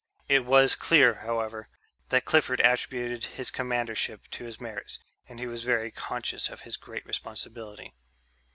It was clear, however, that Clifford attributed his commandership to his merits, and he was very conscious of his great responsibility.